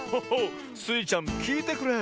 スイちゃんきいてくれ。